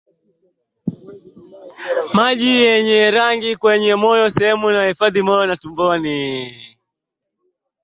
Maji mengi yenye rangi kwenye moyo sehemu inayohifadhi moyo na tumboni